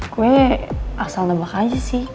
kue asal nebak aja sih